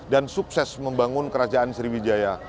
dan sukses membangun kerajaan sriwijaya